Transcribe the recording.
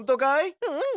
うん！